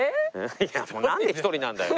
いやなんで１人なんだよ。